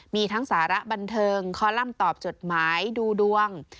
มีทั้งสาระบันเทิงคอลัมป์ตอบจดหมายดูดวง